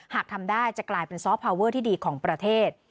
หากทำได้จะกลายเป็นซอฟพาวเวอร์ที่ดีของประเทศ